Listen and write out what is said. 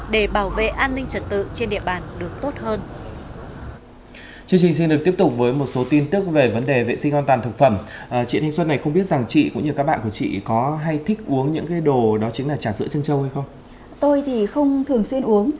để bảo vệ an ninh trật tự trên địa bàn được tốt hơn